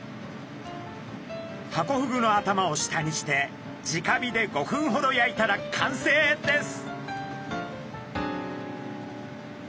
ハコフグの頭を下にしてじか火で５分ほど焼いたら完成です！